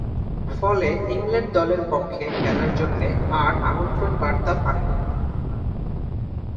ফলে, ইংল্যান্ড দলের পক্ষে খেলার জন্যে আর আমন্ত্রণ বার্তা পাননি।